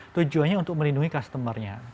tujuannya untuk melindungi customer nya